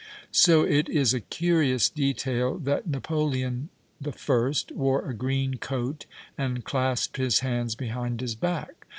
So it is a curious detail that Napo leon I. wore a green coat and clasped his hands behind his back.